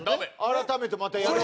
改めてまたやるから。